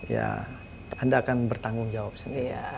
ya anda akan bertanggung jawab sendiri